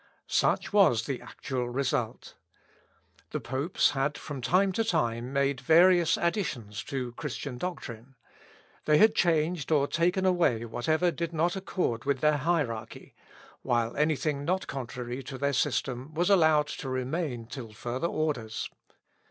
Such was the actual result. The popes had from time to time made various additions to Christian doctrine. They had changed or taken away whatever did not accord with their hierarchy, while any thing not contrary to their system was allowed to remain till further orders.